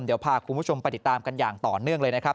เดี๋ยวพาคุณผู้ชมไปติดตามกันอย่างต่อเนื่องเลยนะครับ